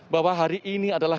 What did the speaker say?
bahwa hari ini adalah